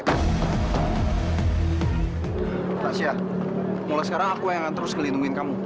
tasya mulai sekarang aku yang akan terus ngelindungi kamu